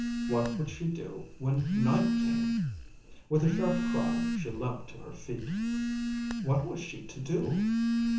What would she do when night came? With a sharp cry she leaped to her feet. What was she to do?